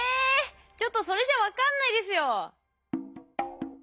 ちょっとそれじゃ分かんないですよ。